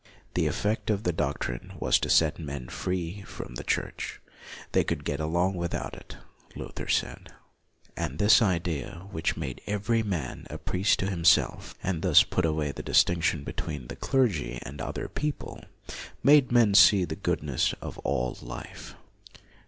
The effect of the doctrine was to set men free from the Church; they could get along without it, Luther said. And this idea which made every man a priest to himself, and thus put away the distinction between the clergy and other people, made men see the goodness of all life.